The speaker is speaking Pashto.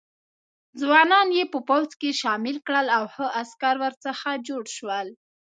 ځوانان یې په پوځ کې شامل کړل او ښه عسکر ورڅخه جوړ شول.